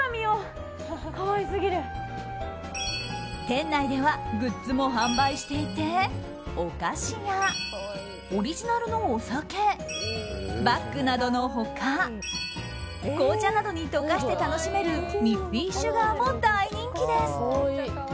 店内ではグッズも販売していてお菓子やオリジナルのお酒バッグなどの他紅茶などに溶かして楽しめるミッフィーシュガーも大人気です。